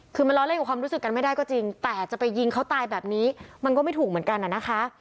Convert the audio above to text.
คือมันล้อเล่นกับความรู้สึกกันไม่ได้ก็จริงแต่จะไปยิงเขาตายแบบนี้มันก็ไม่ถูกเหมือนกันนะคะ